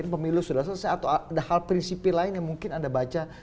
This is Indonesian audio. pemilu sudah selesai atau ada hal prinsipi lain yang mungkin anda baca